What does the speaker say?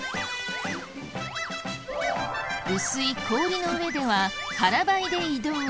薄い氷の上では腹ばいで移動。